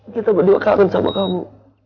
kita berdua kangen sama kamu